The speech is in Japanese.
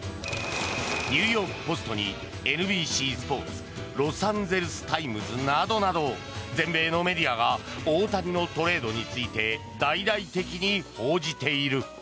ニューヨーク・ポストにＮＢＣスポーツロサンゼルス・タイムズなどなど全米のメディアが大谷のトレードについて大々的に報じている。